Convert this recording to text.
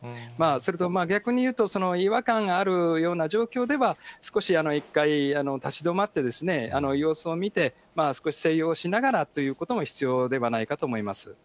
それと逆に言うと、違和感があるような状況では、少し１回、立ち止まって様子を見て、少し静養しながらということも必要では